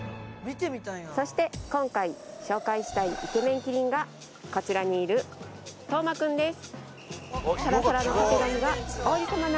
そして今回紹介したいイケメンキリンがこちらにいるトウマくんです